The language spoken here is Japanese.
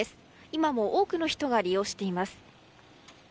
今も多くの人が利用しています。